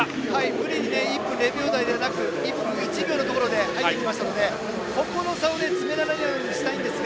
無理に１分０秒台ではなく１分１秒というタイムで入ってきましたので、ここで差を詰められるようにしたいんですが。